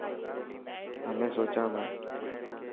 همين سوچان تا.